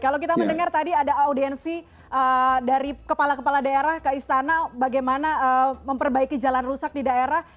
kalau kita mendengar tadi ada audiensi dari kepala kepala daerah ke istana bagaimana memperbaiki jalan rusak di daerah